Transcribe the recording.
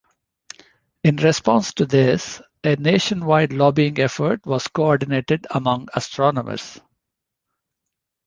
In response to this, a nationwide lobbying effort was coordinated among astronomers.